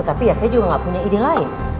tapi ya saya juga nggak punya ide lain